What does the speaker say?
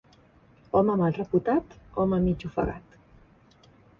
Home mal reputat, home mig ofegat.